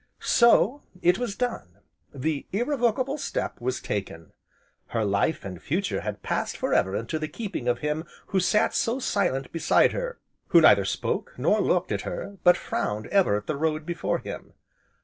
So, it was done! the irrevocable step was taken! Her life and future had passed for ever into the keeping of him who sat so silent beside her, who neither spoke, nor looked at her, but frowned ever at the road before him.